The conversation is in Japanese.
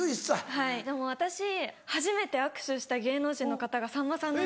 はいでも私初めて握手した芸能人の方がさんまさんなんですよ。